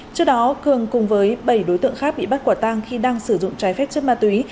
trước đó cường cùng với bảy đối tượng khác bị bắt quả tang khi đang sử dụng trái phép chất ma túy